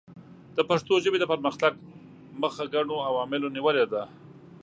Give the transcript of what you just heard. د پښتو ژبې د پرمختګ مخه ګڼو عواملو نیولې ده.